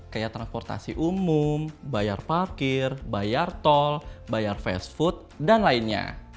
kayak transportasi umum bayar parkir bayar tol bayar fast food dan lainnya